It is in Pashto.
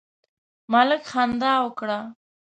ملک خندا وکړه.